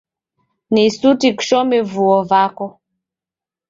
Ni suti kushome vuo vako.